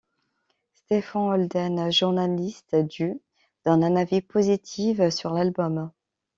Stephen Holden, journaliste du donne un avis positif sur l'album.